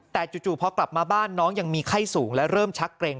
แต่จู่พอกลับมาบ้านน้องยังมีไข้สูงและเริ่มชักเกร็ง